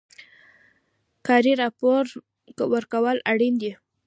کاري راپور ورکول اړین دي